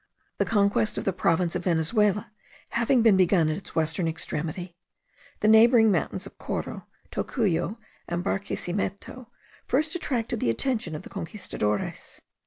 The conquest of the province of Venezuela having been begun at its western extremity, the neighbouring mountains of Coro, Tocuyo, and Barquisimeto, first attracted the attention of the Conquistadores.